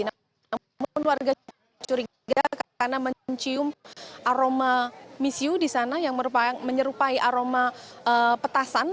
namun warga curiga karena mencium aroma misiu di sana yang menyerupai aroma petasan